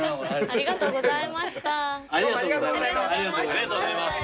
ありがとうございます。